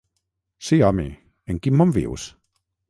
Sí home, en quin món vius?